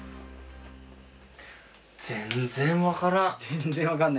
全然分からん。